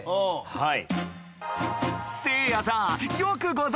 はい。